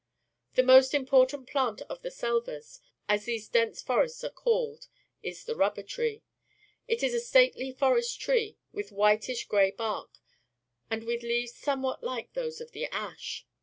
The most important plant of the selvas, as these dense forests are called, is the rubber tree. It is a stately forest tree, with whitish gray bark, and with lea^•es somewhat like those of the ash.